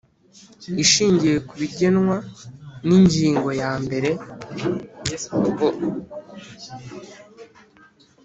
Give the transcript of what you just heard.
Ishingiye ku bigenwa n ingingo ya mbere